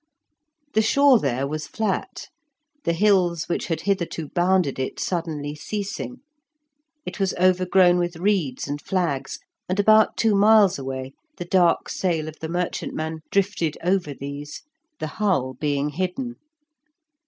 The shore there was flat, the hills which had hitherto bounded it suddenly ceasing; it was overgrown with reeds and flags, and about two miles away the dark sail of the merchantman drifted over these, the hull being hidden.